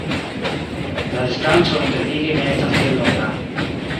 La distanco inter ili ne estas tiel longa.